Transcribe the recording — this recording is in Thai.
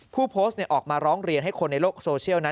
ผู้โพสต์ออกมาร้องเรียนให้คนในโลกโซเชียลนั้น